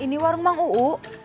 ini warung mang uu